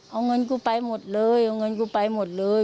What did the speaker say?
เอาเงินกูไปหมดเลยเอาเงินกูไปหมดเลย